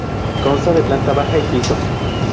Consta de planta baja y piso.